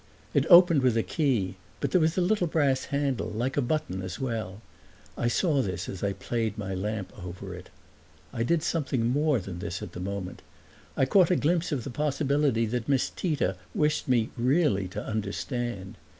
It opened with a key, but there was a little brass handle, like a button, as well; I saw this as I played my lamp over it. I did something more than this at that moment: I caught a glimpse of the possibility that Miss Tita wished me really to understand.